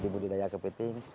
ada budidaya kepiting